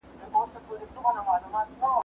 زه اوږده وخت تمرين کوم،